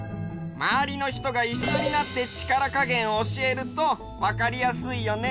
まわりの人がいっしょになって力加減を教えるとわかりやすいよね。